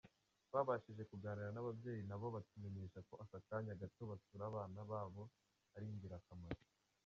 Twabashije kuganira n’ababyeyi nabo batumenyesha ko akanya gato basura abana babo ari ingirakamaro.